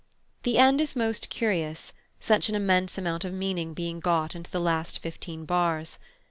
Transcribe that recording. The end is most curious, such an immense amount of meaning being got into the last fifteen bars.